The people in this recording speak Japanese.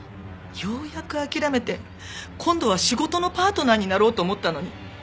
ようやく諦めて今度は仕事のパートナーになろうと思ったのに。